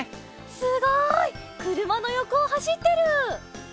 すごい！くるまのよこをはしってる！